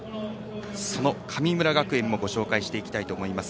その神村学園もご紹介していきます。